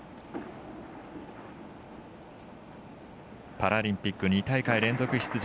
パラリンピック２大会連続出場